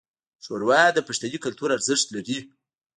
ښوروا د پښتني کلتور ارزښت لري.